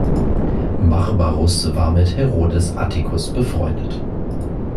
Barbarus war mit Herodes Atticus befreundet.